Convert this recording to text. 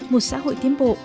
một xã hội tiến bộ